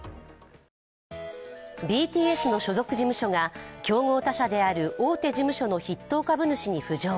ＢＴＳの所属事務所が競合他社である大手事務所の筆頭株主に浮上。